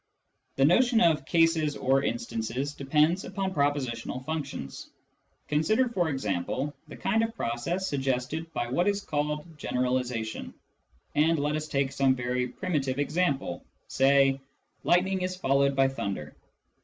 The notion of " cases " or " instances " depends upon pro positional functions. Consider, for example, the kind of process suggested by what is called " generalisation," and let us take some very primitive example, say, " lightning is followed by thunder."